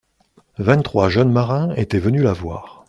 Vingt-trois jeunes marins étaient venus la voir.